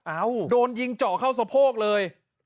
โดนยิงเจาะเข้าสะโพกเลย